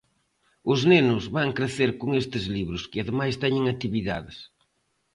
Os nenos van crecer con estes libros, que ademais teñen actividades.